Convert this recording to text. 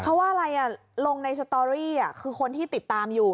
เพราะว่าอะไรลงในสตอรี่คือคนที่ติดตามอยู่